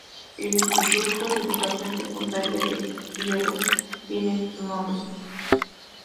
El instituto de educación secundaria de Pliego tiene su nombre.